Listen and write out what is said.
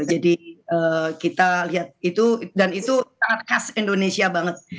kita lihat itu dan itu sangat khas indonesia banget